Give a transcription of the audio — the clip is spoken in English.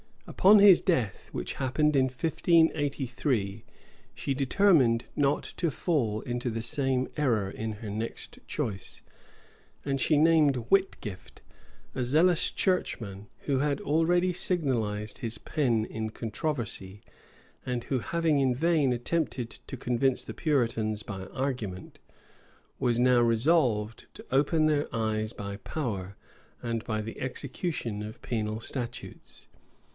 Upon his death, which happened in 1583, she determined not to fall into the same error in her next choice; and she named Whitgift, a zealous Churchman, who had already signalized his pen in controversy, and who, having in vain attempted to convince the Puritans by argument, was now resolved to open their eyes by power, and by the execution of penal statutes.